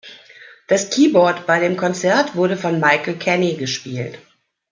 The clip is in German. Das Keyboard bei dem Konzert wurde von Michael Kenney gespielt.